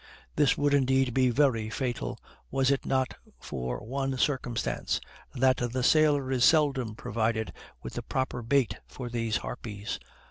This would, indeed, be very fatal, was it not for one circumstance; that the sailor is seldom provided with the proper bait for these harpies.